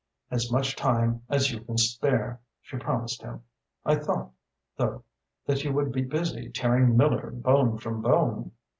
"As much time as you can spare," she promised him. "I thought, though, that you would be busy tearing Miller bone from bone."